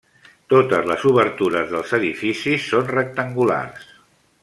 Totes les obertures dels edificis són rectangulars.